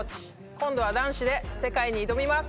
今度は男子で世界に挑みます。